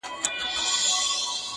اوس خو پوره تر دوو بـجــو ويــښ يـــم.